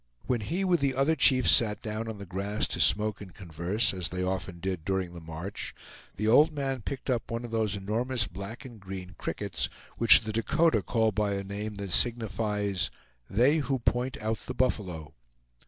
When he with the other chiefs sat down on the grass to smoke and converse, as they often did during the march, the old man picked up one of those enormous black and green crickets, which the Dakota call by a name that signifies "They who point out the buffalo."